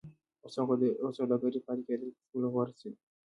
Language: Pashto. او سوداګرۍ پاتې کېدل تر ټولو غوره څه دي.